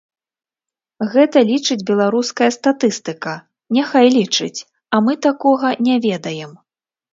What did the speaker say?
Гэта лічыць беларуская статыстыка, няхай лічыць, а мы такога не ведаем.